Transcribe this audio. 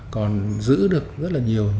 còn giữ được rất nhiều